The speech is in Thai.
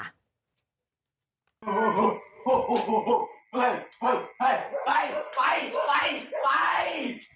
เฮ่ยเฮ่ยเฮ่ยไปไปไปไป